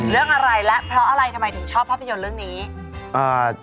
เรื่องอะไรและเพราะอะไรทำไมถึงชอบภาพยนตร์เรื่องนี้อ่า